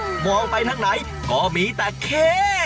โอ้โฮมองไปทั้งไหนก็มีแต่เข้